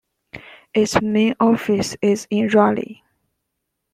Its main office is in Raleigh.